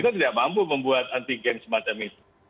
kita tidak mampu membuat antigen semacam itu